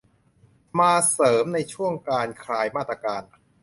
มาเสริมในช่วงการคลายมาตรการ